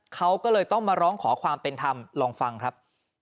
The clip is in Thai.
เขาก็เลยต้องมาร้องขอความเป็นธรรมลองฟังครับ